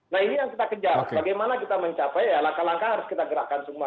nah ini yang kita kejar bagaimana kita mencapai laka laka harus kita gerakkan semua